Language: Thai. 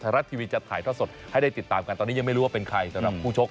รัฐทีวีจะถ่ายทอดสดให้ได้ติดตามกันตอนนี้ยังไม่รู้ว่าเป็นใครสำหรับผู้ชก